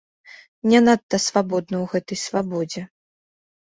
Не надта свабодна у гэтай свабодзе.